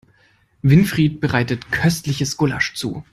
Winfried bereitet köstliches Gulasch zu.